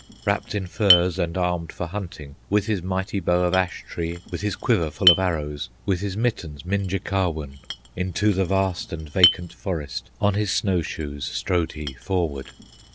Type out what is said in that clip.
Wrapped in furs and armed for hunting, With his mighty bow of ash tree, With his quiver full of arrows, With his mittens, Minjekahwun, Into the vast and vacant forest On his snow shoes strode he forward.